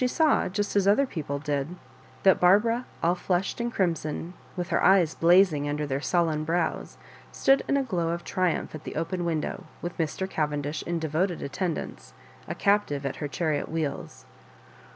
saw, jgst e^§ other people ^i^, t{iat Parbftra, all flushed and crimson, with her eyes blazing under their sullen brows, stood in a glow of tri umph at the open window, with Mr. Cavendish * in devoted attendance, a captive at her chariot wheels.